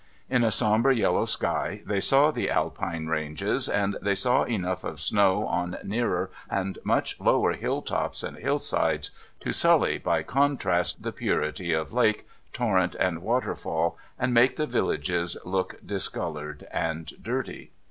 In a sombre yellow sky, they saw the Alpine ranges ; and they saw enough of snow on nearer and much lower hill tops and hill sides, to sully, by contrast, the purity of lake, torrent, and waterfall, and make the villages look discoloured and dirty.